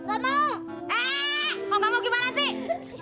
eh kok kamu gimana sih